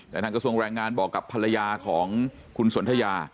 แต่ทางกระทรวงแรงงานบอกกับภรรยาของคุณสนทยา